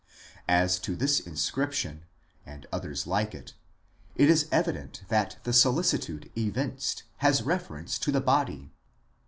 As to this mscrir>tior> and others like it, it is evident that the solicitude evinced has reference to the body.